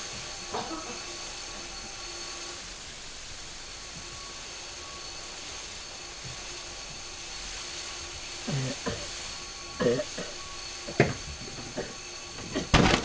あっ。